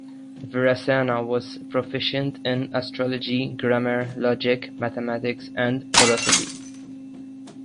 Virasena was proficient in astrology, grammar, logic, mathematics and prosody.